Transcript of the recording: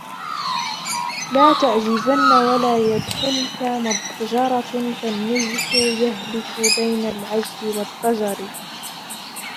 لَا تَعْجِزَنَّ وَلَا يَدْخُلْك مُضْجِرَةٌ فَالنُّجْحُ يَهْلِكُ بَيْنَ الْعَجْزِ وَالضَّجَرِ